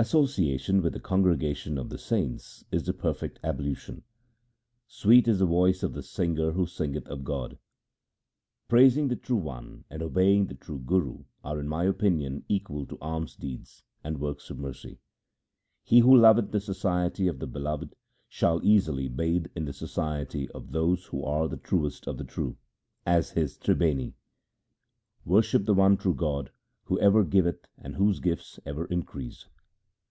Association with the congregation of the saints is the perfect ablution. Sweet is the voice of the singer who singeth of God. Praising the True One and obeying the true Guru are in my opinion equal to alms deeds, and works of mercy. He who loveth the society of the Beloved shall easily bathe in the society of those who are the truest of the true 1 as his Tribeni. Worship the one true God who ever giveth and whose gifts ever increase.